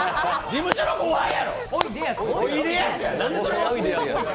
事務所の後輩やろ！